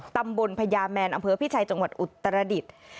พญาแมนอำเภอพิชัยจังหวัดอุตรดิษฐ์